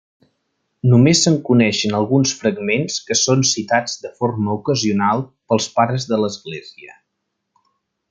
Només se'n coneixen alguns fragments que són citats de forma ocasional pels Pares de l'Església.